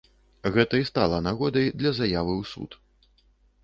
Гэта і стала нагодай для заявы ў суд.